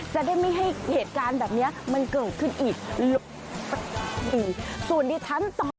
จะได้ไม่ให้เหตุการณ์แบบเนี้ยมันเกิดขึ้นอีกสักทีส่วนดิฉันตอบ